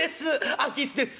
空き巣です。